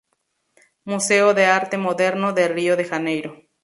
Museo de Arte Moderno de Río de Janeiro.